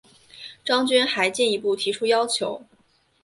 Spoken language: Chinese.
张军还进一步提出要求